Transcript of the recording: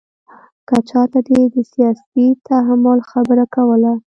که چاته دې د سیاسي تحمل خبره کوله.